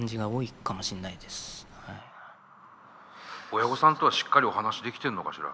親御さんとはしっかりお話できてんのかしら？